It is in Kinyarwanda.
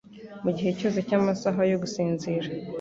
mu gihe cyose cy’amasaha yo gusinzira.